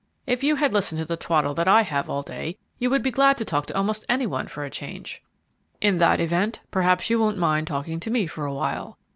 "If you had listened to the twaddle that I have all day, you would be glad to talk to almost any one for a change." "In that event, perhaps you won't mind talking to me for a while.